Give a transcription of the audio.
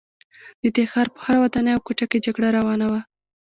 د دې ښار په هره ودانۍ او کوټه کې جګړه روانه وه